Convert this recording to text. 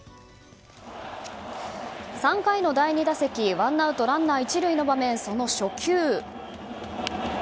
３回の第２打席ワンアウト、ランナー１塁の場面その初球。